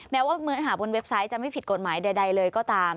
แม้ว่าเนื้อหาบนเว็บไซต์จะไม่ผิดกฎหมายใดเลยก็ตาม